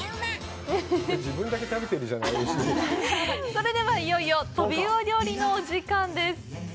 それでは、いよいよトビウオ料理のお時間です！